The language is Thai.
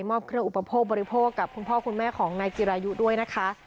เครื่องอุปโภคบริโภคกับคุณพ่อคุณแม่ของนายจิรายุด้วยนะคะ